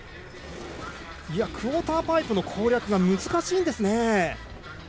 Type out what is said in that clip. クオーターパイプの攻略が難しいんですね。